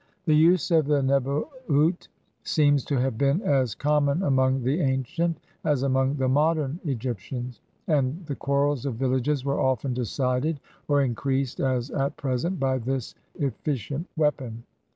The use of the neboot seems to have been as common among the ancient as among the modern Egyptians ; and the quarrels of villages were often decided or increased as at present, by this efficient weapon.